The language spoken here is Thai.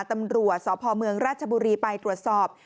ตำรวจสพเมืองราชบุรีไปตรวจสอบ